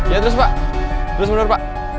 ya terus pak terus menerus pak